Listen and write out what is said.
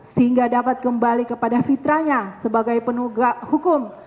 sehingga dapat kembali kepada fitranya sebagai penugak hukum